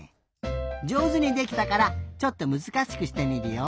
じょうずにできたからちょっとむずかしくしてみるよ。